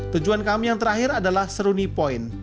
tujuan kami yang terakhir adalah seruni point